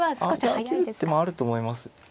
あいや切る手もあると思います。